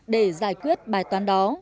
để giải quyết bài toán đó